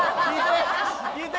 聞いて！